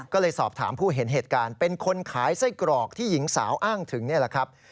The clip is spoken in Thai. ก็เลยสอบถามผู้เห็นเหตุการณ์เป็นคนขายไส้กรอกที่หญิงสาวอ้างถึงนี่แหละครับ